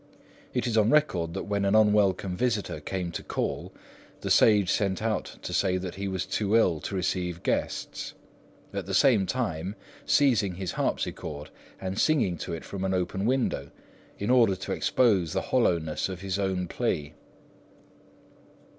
It is on record that when an unwelcome visitor came to call, the sage sent out to say that he was too ill to receive guests, at the same time seizing his harpsichord and singing to it from an open window, in order to expose the hollowness of his own plea.